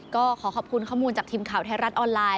ก็ขอขอบคุณข้อมูลจากทีมข่าวไทยรัฐออนไลน